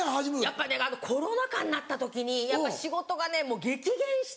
やっぱコロナ禍になった時に仕事がねもう激減して。